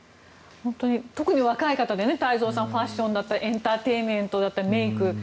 特に若い方で、太蔵さんファッションだったりエンターテインメントだったりメイク。